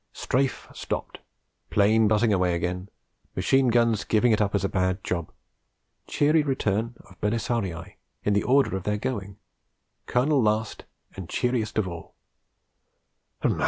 Strafe stopped: 'plane buzzing away again: machine guns giving it up as a bad job: cheery return of Belisarii, in the order of their going, Colonel last and cheeriest of all.